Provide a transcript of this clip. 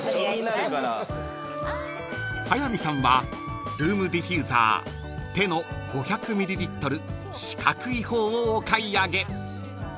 ［早見さんはルームディフューザーＴＨＥの５００ミリリットル四角い方をお買い上げ］